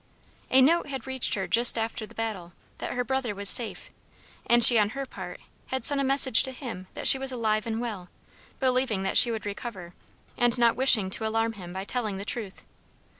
A note had reached her just after the battle, that her brother was safe, and she on her part had sent a message to him that she was alive and well, believing that she would recover, and not wishing to alarm him by telling the truth.